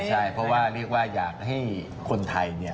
ใช่เพราะว่าเรียกว่าอยากให้คนไทยเนี่ย